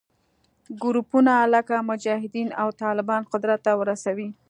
ګروپونه لکه مجاهدین او طالبان قدرت ته ورسوي